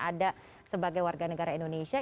ada sebagai warga negara indonesia